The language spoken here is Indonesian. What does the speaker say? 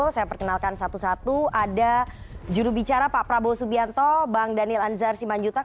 saya perkenalkan satu satu ada jurubicara pak prabowo subianto bang daniel anzar simanjutak